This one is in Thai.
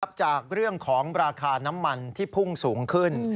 จากเรื่องของราคาน้ำมันที่พุ่งสูงขึ้น